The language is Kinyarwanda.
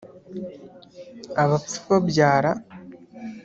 abapfa babyara